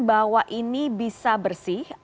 bahwa ini bisa bersih